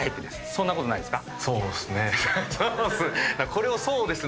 そんなことないですか？